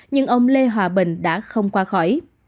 nhưng ông lê hòa bình đã không qua khỏi